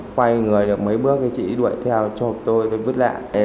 quay người được mấy bước thì chị ấy đuổi theo chụp tôi tôi vứt lại